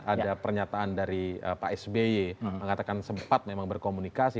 ada pernyataan dari pak sby mengatakan sempat memang berkomunikasi